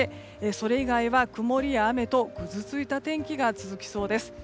それ以外は曇りや雨とぐずついた天気が続きそうです。